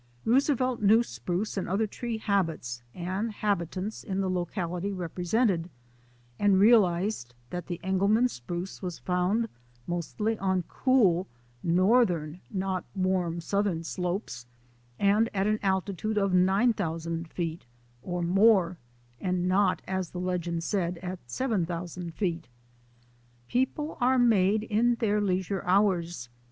Roosevelt knew spruce and other tree habits and habitats in the locality represented, and realized that the Engelmann spruce was found mostly on cool northern not warm southern slopes and at an altitude of 9,000 feet or more, and not' as the legend said, at 7,000 feet. People are made in their leisure hours.